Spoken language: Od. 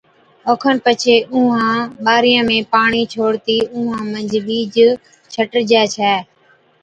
او کن پڇي اُونهان ٻارِيان ۾ پاڻِي ڇوڙتِي اُونهان منجھ ٻِيج ڇٽجَي ڇَي۔